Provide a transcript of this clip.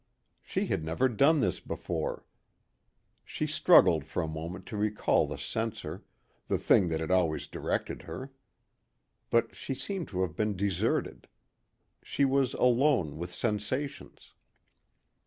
She had never done this before. She struggled for a moment to recall the censor the thing that had always directed her. But she seemed to have been deserted. She was alone with sensations.